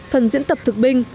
phần diễn tập thực binh